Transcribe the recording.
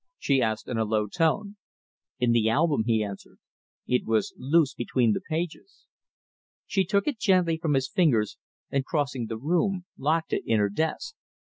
she asked, in a low tone. "In the album," he answered. "It was loose between the pages." She took it gently from his fingers, and crossing the room locked it in her desk.